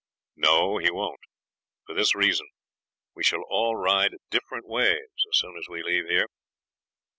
'No, he won't; for this reason, we shall all ride different ways as soon as we leave here.